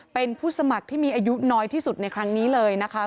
เป็นผู้สมัครที่มีอายุน้อยที่สุดในครั้งนี้เลยนะคะ